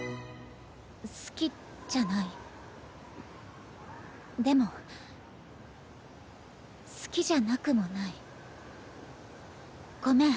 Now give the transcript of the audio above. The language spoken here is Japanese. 好きじゃないでも好きじゃなくもないごめん